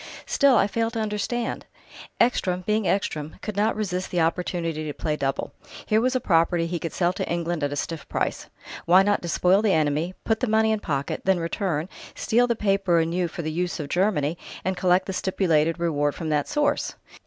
"Still I fail to understand...." "Ekstrom, being Ekstrom, could not resist the opportunity to play double. Here was a property he could sell to England at a stiff price. Why not despoil the enemy, put the money in pocket, then return, steal the paper anew for the use of Germany, and collect the stipulated reward from that source?